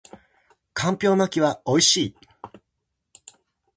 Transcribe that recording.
干瓢巻きは美味しい